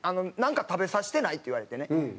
「なんか食べさせてない？」って言われてね。